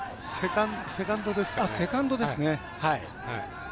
セカンドですね。